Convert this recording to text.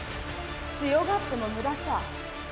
強がってもムダさ。